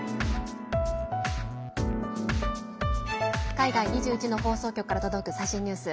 海外２１の放送局から届く最新ニュース。